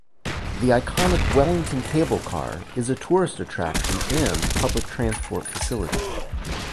The iconic Wellington Cable Car is a tourist attraction and public transport facility.